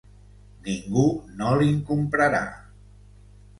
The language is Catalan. Ningú no li'n comprarà.